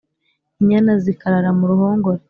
inyana zikarara mu ruhongore,